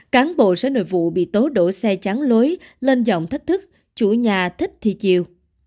cán bộ sở nội vụ bị tố đổ xe trắng lối lên giọng thách thức chủ nhà thích thi chiều